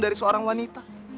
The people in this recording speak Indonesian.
dari seorang wanita